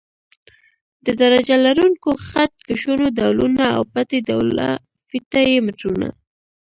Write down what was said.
د درجه لرونکو خط کشونو ډولونه او پټۍ ډوله فیته یي مترونه.